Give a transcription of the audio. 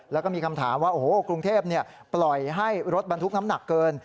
แล้วก็มีคำถามว่าโอ้โหกรุงเทพปล่อยให้รถบรรทุกน้ำหนักเกิน